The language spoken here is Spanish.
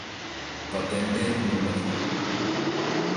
Patente No.